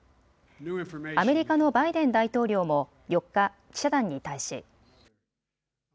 アメリカのバイデン大統領も４日、記者団に対し。